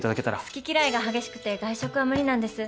好き嫌いが激しくて外食は無理なんです。